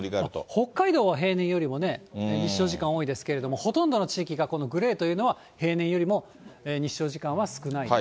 北海道は平年よりもね、日照時間多いですけど、ほとんどの地域がこのグレーというのは平年よりも日照時間が少ない。